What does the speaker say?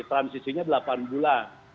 transisinya delapan bulan